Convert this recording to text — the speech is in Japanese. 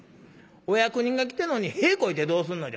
お役人が来てんのに屁こいてどうすんのじゃ。